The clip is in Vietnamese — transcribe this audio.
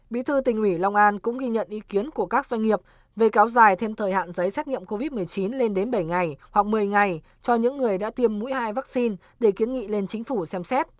bí thư tỉnh ủy long an cũng ghi nhận ý kiến của các doanh nghiệp về kéo dài thêm thời hạn giấy xét nghiệm covid một mươi chín lên đến bảy ngày hoặc một mươi ngày cho những người đã tiêm mũi hai vaccine để kiến nghị lên chính phủ xem xét